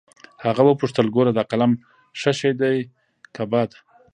هغه وپوښتل ګوره دا قلم ښه شى ديه که بد.